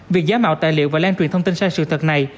việc giá mạo tài liệu và lan truyền thông tin sang sự thật này